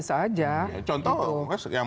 saja contoh yang